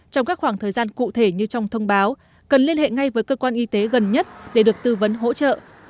trong các khoảng thời gian cụ thể như trong thông báo cần liên hệ ngay với cơ quan y tế gần nhất để được tư vấn hỗ trợ